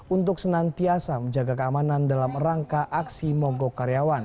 untuk senantiasa menjaga keamanan dalam rangka aksi mogok karyawan